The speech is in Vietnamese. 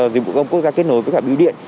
dịch vụ công quốc gia kết nối với cả biêu điện